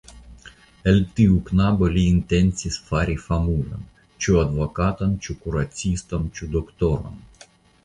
El tiu knabo li intencis fari famulon, ĉu advokaton, ĉu kuraciston, ĉu doktoron.